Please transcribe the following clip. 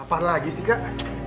apaan lagi sih kak